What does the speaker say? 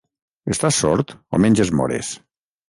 Estàs sord o menges mores?